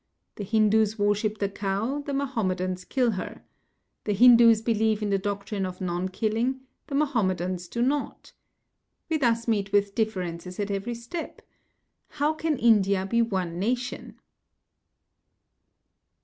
The Hindus worship the cow, the Mahomedans kill her. The Hindus believe in the doctrine of non killing, the Mahomedans do not. We thus meet with differences at every step. How can India be one nation?